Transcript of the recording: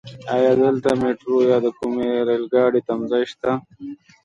ايا دلته ميټرو يا د کومې رايل ګاډی تمځای شته؟